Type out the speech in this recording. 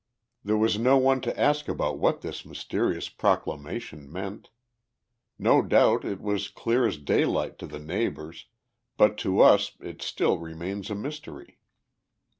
There was no one to ask about what this mysterious proclamation meant. No doubt it was clear as daylight to the neighbours, but to us it still remains a mystery.